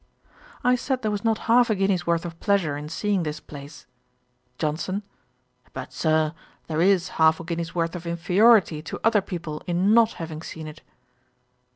I said there was not half a guinea's worth of pleasure in seeing this place. JOHNSON. 'But, Sir, there is half a guinea's worth of inferiority to other people in not having seen it.'